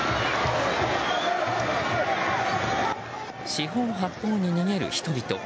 四方八方に逃げる人々。